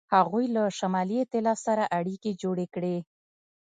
هغوی له شمالي ایتلاف سره اړیکې جوړې کړې.